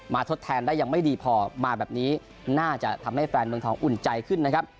ทดแทนได้ยังไม่ดีพอมาแบบนี้น่าจะทำให้แฟนเมืองทองอุ่นใจขึ้นนะครับ